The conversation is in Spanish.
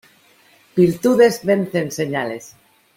Virtudes vencen señales.